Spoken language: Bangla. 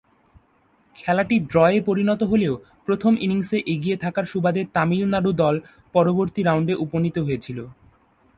খেলাটি ড্রয়ে পরিণত হলেও প্রথম ইনিংসে এগিয়ে থাকার সুবাদে তামিলনাড়ু দল পরবর্তী রাউন্ডে উপনীত হয়েছিল।